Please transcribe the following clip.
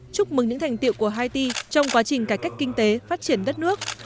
chúc mừng những thành tiệu của haiti trong quá trình cải cách kinh tế phát triển đất nước